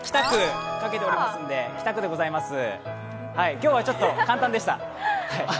今日はちょっと簡単でした。